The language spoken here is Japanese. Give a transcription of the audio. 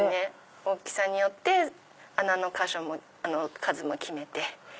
大きさによって穴の箇所も数も決めて。